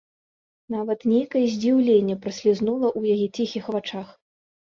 Нават нейкае здзіўленне праслізнула ў яе ціхіх вачах.